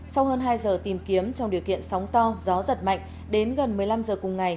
sau hơn hai giờ tìm kiếm trong điều kiện sóng to gió giật mạnh đến gần một mươi năm giờ cùng ngày